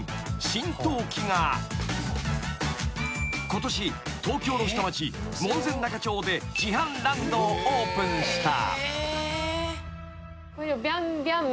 ［ことし東京の下町門前仲町で自販ランドをオープンした］